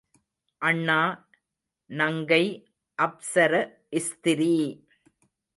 அண்ணா நங்கை அப்ஸ்ர ஸ்திரீ.